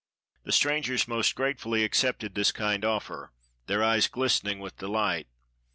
The strangers most gratefully accepted this kind offer, their eyes glistening with dehght.